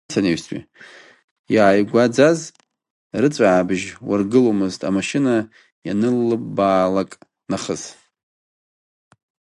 Иааигәаӡаз рыҵәаабжь уаргыломызт, амашьына ианыллыбаалак нахыс.